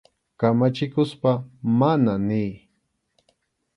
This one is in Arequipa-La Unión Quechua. Kamachikuspa «mana» niy.